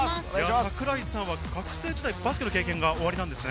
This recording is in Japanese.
桜井さんは学生時代、バスケの経験がおありなんですね。